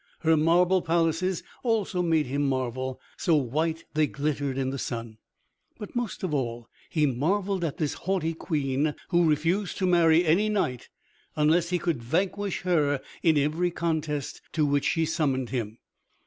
Her marble palaces also made him marvel, so white they glittered in the sun. But most of all he marveled at this haughty Queen, who refused to marry any knight unless he could vanquish her in every contest to which she summoned him.